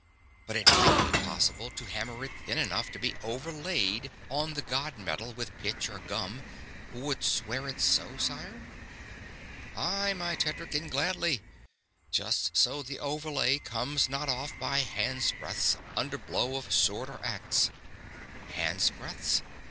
but it might be possible to hammer it thin enough to be overlaid on the god metal with pitch or gum. Wouldst wear it so, sire?" "Aye, my Tedric, and gladly: just so the overlay comes not off by handsbreadths under blow of sword or axe." "Handsbreadths?